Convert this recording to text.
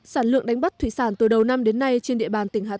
sản lượng đánh bắt thủy sản từ đầu năm đến nay trên địa bàn tỉnh hà nam